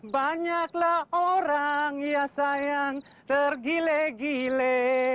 banyaklah orang ya sayang tergile gile